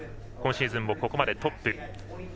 今シーズンもここまでトップ。